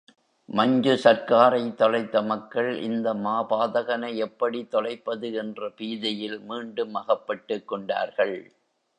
மஞ்சு சர்க்காரைத் தொலைத்த மக்கள் இந்த மாபாதகனை எப்படி தொலைப்பது என்ற பீதியில் மீண்டும் அகப்பட்டுக் கொண்டார்கள்.